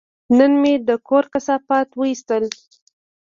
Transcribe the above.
نن مې د کور کثافات وایستل.